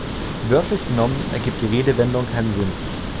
Wörtlich genommen ergibt die Redewendung keinen Sinn.